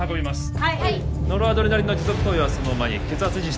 はい